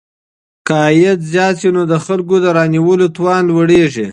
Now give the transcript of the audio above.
که عايد زيات سي نو د خلګو د پيرودلو توان لوړيږي.